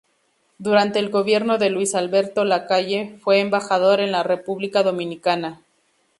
Durante el gobierno de Luis Alberto Lacalle fue embajador en la República Dominicana.